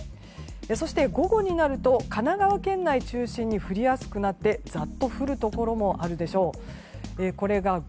そして、午後になると神奈川県内を中心に降りやすくなってザッと降るところもあるでしょう。